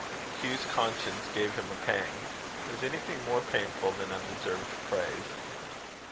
Hugh's conscience gave him a pang. Is anything more painful than undeserved praise?